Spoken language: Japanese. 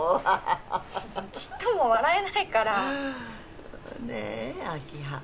ハッハハハちっとも笑えないからねえ明葉